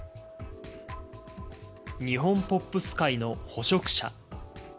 日本ポップス界の捕食者。